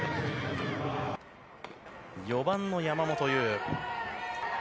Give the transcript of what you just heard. ４番の山本優。